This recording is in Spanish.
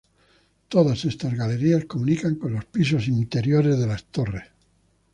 Todas estas galerías comunican con los pisos interiores de las torres.